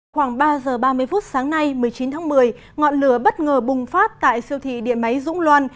khoảng ba giờ ba mươi phút sáng nay một mươi chín tháng một mươi ngọn lửa bất ngờ bùng phát tại siêu thị điện máy dũng loan